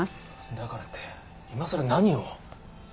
だからって今さら何を。